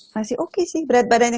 masih oke sih berat badannya